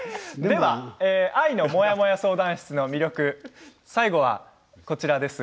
「愛のモヤモヤ相談室」の魅力、最後はこちらです